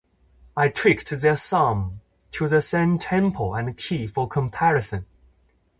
I tweaked their song to the same tempo and key for comparison.